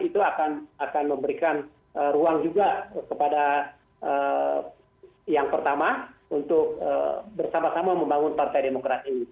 itu akan memberikan ruang juga kepada yang pertama untuk bersama sama membangun partai demokrasi ini